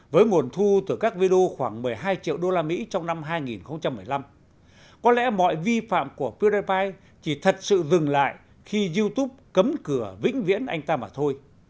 với nguồn thu từ các video khoảng một mươi hai triệu usd trong năm hai nghìn một mươi năm có lẽ mọi vi phạm của firepy chỉ thật sự dừng lại khi youtube cấm cửa vĩnh viễn anh ta mà thôi